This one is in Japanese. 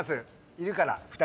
いるから２人。